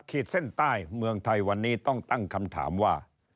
ขีดเส้นใต้เมืองไทยวันนี้ต้องตั้งคำถามว่า